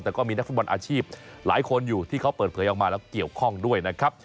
แต่ก็มีนักฟุตบอลอาชีพหลายคนอยู่ที่เขาเปิดเผยออกมาแล้วเกี่ยวข้องด้วยนะครับ